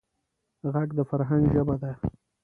غږ د فرهنګ ژبه ده